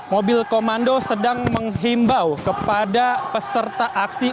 mobil komando sedang menghimbau kepada peserta aksi